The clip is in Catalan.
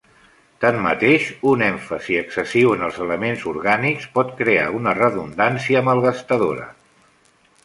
Tanmateix, un èmfasi excessiu en els elements orgànics pot crear una redundància malgastadora.